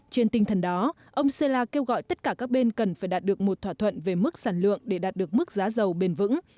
trên tinh thần đó ông cela kêu gọi tất cả các bên cần phải đạt được một thỏa thuận về mức sản lượng để đạt được mức giá dầu bền vững